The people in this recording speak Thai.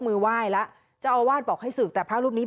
พูดสิทธิ์ข่าวบอกว่าพระต่อว่าชาวบ้านที่มายืนล้อมอยู่แบบนี้ค่ะ